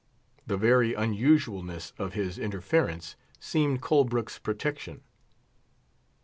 The very unusualness of his interference seemed Colbrook's protection.